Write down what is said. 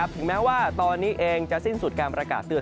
ถึงแม้ว่าตอนนี้เองจะสิ้นสุดการประกาศเตือน